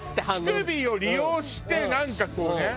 乳首を利用してなんかこうね。